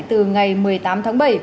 từ ngày một mươi tám tháng bảy